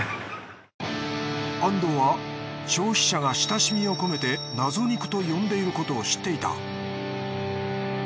安藤は消費者が親しみを込めて謎肉と呼んでいることを知っていた